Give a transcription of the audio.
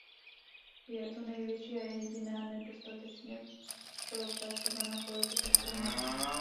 Je to největší a jediná nedostatečně propracovaná politika, kterou máme.